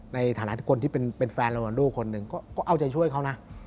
ในฐานะคนที่เป็นแฟนโรนโดคนหนึ่งก็เอาใจช่วยเขานะ